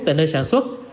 tại nơi sản xuất